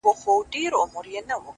راسه دعا وكړو’